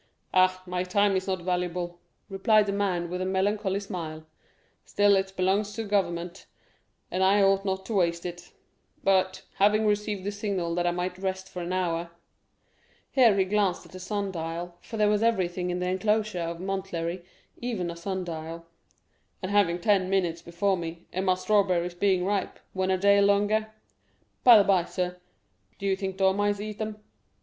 "Ah, my time is not valuable," replied the man with a melancholy smile. "Still it belongs to government, and I ought not to waste it; but, having received the signal that I might rest for an hour" (here he glanced at the sun dial, for there was everything in the enclosure of Montlhéry, even a sun dial), "and having ten minutes before me, and my strawberries being ripe, when a day longer—by the by, sir, do you think dormice eat them?"